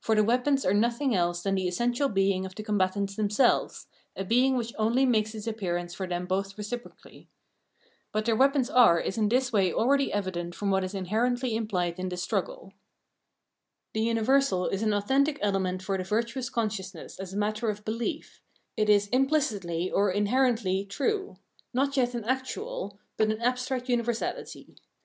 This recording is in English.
For the weapons are nothing else than the essential being of the combatants themselves, a being which only makes its appearance for them both reciprocally. What their weapons are is in this way aheady evident from what is inherently impHed in this struggle. The universal is an authentic element for the virtuous consciousness as a matter of belief; it is "impKcitly" or " inherently " true ; not yet an actual, but an abstract universahty.